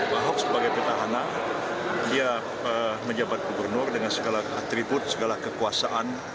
pak ahok sebagai petahana dia menjabat gubernur dengan segala atribut segala kekuasaan